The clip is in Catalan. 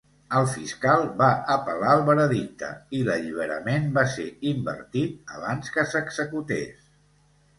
El fiscal va apel·lar el veredicte i l'alliberament va ser invertit abans que s'executés.